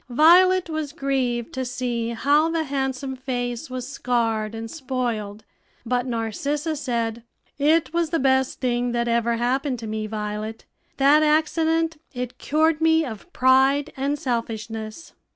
Violet was grieved to see how the handsome face was scarred and spoiled; but Narcissa said, "It was the best thing that ever happened to me, Violet that accident; it cured me of pride and selfishness."